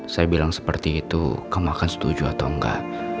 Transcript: saya bilang seperti itu kamu akan setuju atau enggak